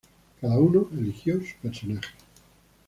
Cada uno eligió su personaje.